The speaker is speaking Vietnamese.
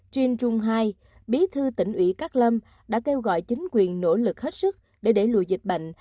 trên trung hai bí thư tỉnh ủy cát lâm đã kêu gọi chính quyền nỗ lực hết sức để đẩy lùi dịch bệnh